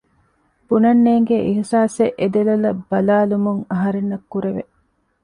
ބުނަން ނޭނގޭ އިހުސާސެއް އެ ދެލޮލަށް ބަލާލުމުން އަހަރެންނަށް ކުރެވެ